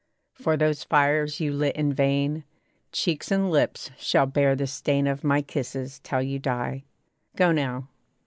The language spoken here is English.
For those fires you lit in vain, Cheeks and lips shall bear the stain Of my kisses till you die. Go now!